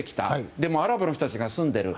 でもアラブの人たちが住んでいる。